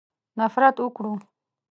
نفرت وکړو.